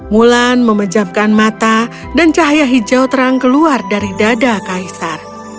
mulan memejamkan mata dan cahaya hijau terang keluar dari dada kaisar